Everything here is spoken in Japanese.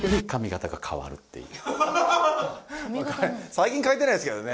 最近変えてないっすけどね。